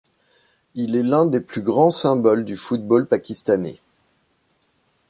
Il est l'un des plus grands symboles du football pakistanais.